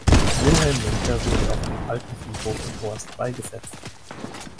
Wilhelm Wenker wurde auf dem Alten Friedhof in Horst beigesetzt.